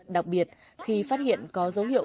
đặc biệt khi phát hiện có dấu hiệu